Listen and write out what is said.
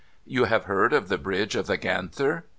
You have heard of the Bridge of the Ganther